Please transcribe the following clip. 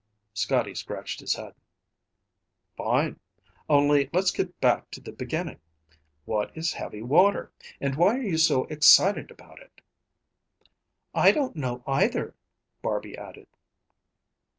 Scotty scratched his head. "Fine. Only let's get back to the beginning. What is heavy water? And why are you so excited about it?" "I don't know, either," Barby added.